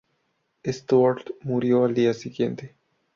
Stuart murió el día siguiente.